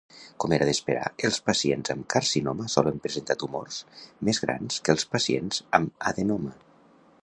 Com era d'esperar, els pacients amb carcinoma solen presentar tumors més grans que els pacients amb adenoma.